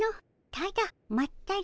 ただまったり。